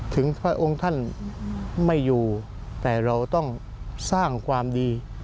พระองค์ท่านไม่อยู่แต่เราต้องสร้างความดี